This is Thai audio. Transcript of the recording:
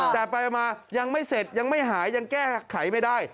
แต่ไปมายังไม่เสร็จยังไม่หายยังแก้ไขไม่ได้